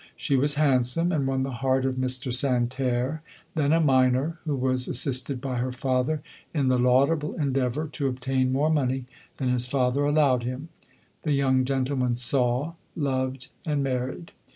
She was handsome, and won the heart of Mr. San terre, then a minor, who was assisted by her father in the laudable endeavour to obtain more money than his father allowed him, The young gentleman saw, loved, and married.